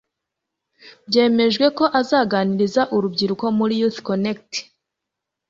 byemejwe ko azaganiriza urubyiruko muri Youth Connect